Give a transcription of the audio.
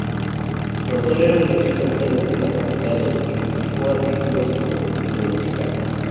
Rotor era un músico altamente capacitado, y publicó artículos como crítico musical.